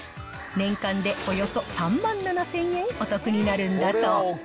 年間でおよそ３万７０００円お得になるんだそう。